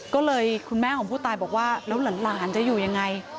ก็เลยคุณแม่ของผู้ตายบอกว่าแล้วหลานจะอยู่ยังไง